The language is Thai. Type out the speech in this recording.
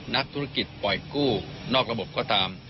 นักธุรกิจปล่อยกู้นอกระบบก็ตาม